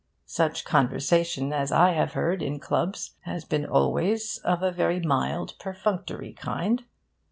Such conversation as I have heard in clubs has been always of a very mild, perfunctory kind.